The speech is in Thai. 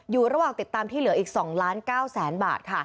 อยู่ระหว่างติดตามที่เหลืออีก๒ล้าน๙แสนบาทค่ะ